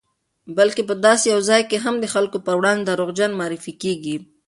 بلکې په داسې یو ځای کې هم د خلکو پر وړاندې دروغجن معرفي کېږي